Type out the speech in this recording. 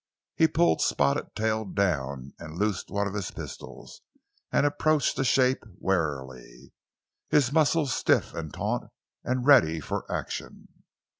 He pulled Spotted Tail down, and loosed one of his pistols, and approached the shape warily, his muscles stiff and taut and ready for action.